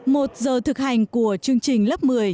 một giờ thực hành của chương trình lớp một mươi